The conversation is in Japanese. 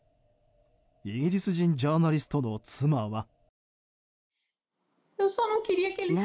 イギリス人ジャーナリストの妻は。